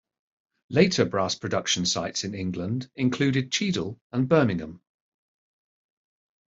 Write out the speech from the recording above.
Later brass production sites in England included Cheadle and Birmingham.